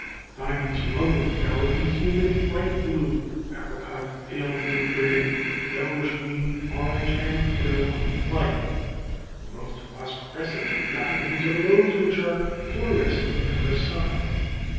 Diamonds from other localities emit bright blue, apricot, pale blue, red, yellowish green, orange, and pale green light. The most phosphorescent diamonds are those which are fluorescent in the sun.